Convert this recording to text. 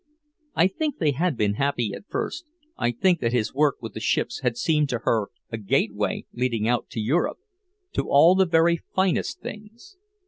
I think they had been happy at first, I think that his work with the ships had seemed to her a gateway leading out to Europe, to all the very "finest" things.